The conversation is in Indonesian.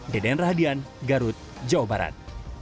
deden rahadian garut jawa barat